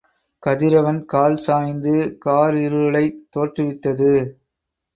கதிரவன் கால் சாய்ந்து காரிருளைத் தோற்றுவித்தது.